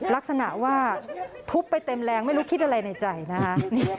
ลักษณะว่าทุบไปเต็มแรงไม่รู้คิดอะไรในใจนะคะ